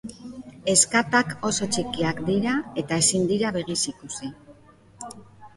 Ezkatak oso txikiak dira eta ezin dira begiz ikusi.